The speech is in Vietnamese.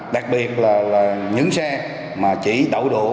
đặc biệt là những xe mà chỉ đậu đỗ